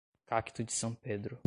cacto de San Pedro